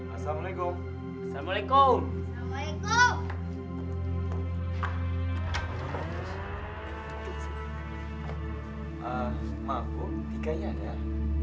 assalamualaikum assalamualaikum waalaikumsalam